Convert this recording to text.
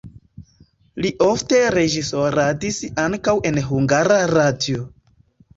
Li ofte reĝisoradis ankaŭ en Hungara Radio.